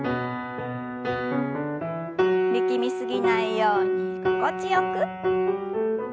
力み過ぎないように心地よく。